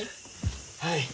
はい。